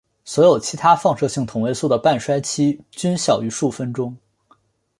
所有其他放射性同位素的半衰期均小于数分钟。